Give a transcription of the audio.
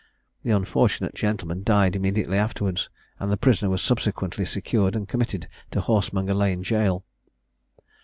The unfortunate gentleman died immediately afterwards, and the prisoner was subsequently secured, and committed to Horsemonger lane gaol.